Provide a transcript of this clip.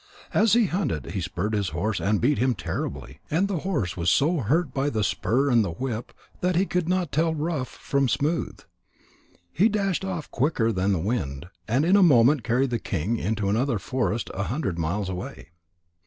As he hunted, he spurred his horse and beat him terribly. And the horse was so hurt by the spur and the whip that he could not tell rough from smooth. He dashed off quicker than the wind, and in a moment carried the king into another forest a hundred miles away.